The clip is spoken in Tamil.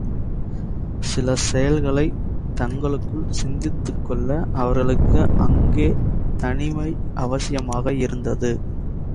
சில செயல்களைத் தங்களுக்குள் சிந்தித்துக் கொள்ள அவர்களுக்கு அங்கே தனிமை அவசியமாக இருந்தது.